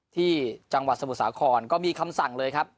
ที่จังหวัดสมุทรสาครก็มีคำสั่งเลยครับ